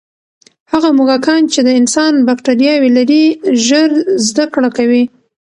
هغه موږکان چې د انسان باکټرياوې لري، ژر زده کړه کوي.